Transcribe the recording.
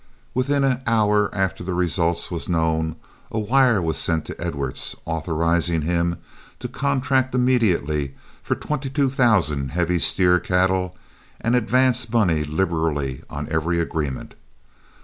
Within an hour after the result was known, a wire was sent to Edwards, authorizing him to contract immediately for twenty two thousand heavy steer cattle and advance money liberally on every agreement.